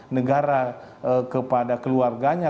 negara kepada keluarganya